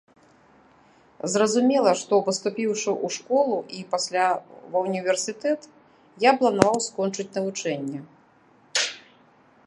Зразумела, што, паступіўшы ў школу і пасля ва ўніверсітэт, я планаваў скончыць навучанне.